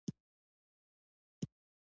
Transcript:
امیر شېر علي خان دوهم ځل پاچا کېږي.